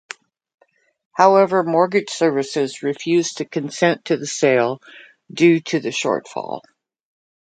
However Mortgage Services refused to consent to the sale due to the shortfall.